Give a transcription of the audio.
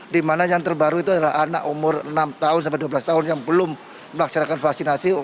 dimana yang terbaru itu adalah anak umur enam dua belas tahun yang belum melaksanakan vaksinasi